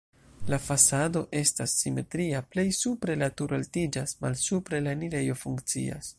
La fasado estas simetria, plej supre la turo altiĝas, malsupre la enirejo funkcias.